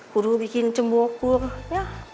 kudu bikin cembukur ya